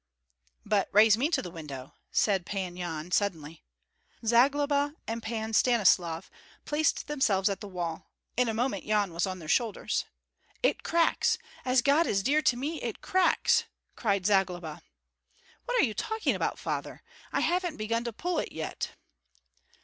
"But raise me to the window," said Pan Yan, suddenly. Zagloba and Pan Stanislav placed themselves at the wall; in a moment Yan was on their shoulders. "It cracks! As God is dear to me, it cracks!" cried Zagloba. "What are you talking about, father? I haven't begun to pull it yet."